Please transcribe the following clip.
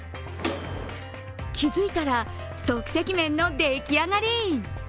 気付いたら即席麺の出来上がり。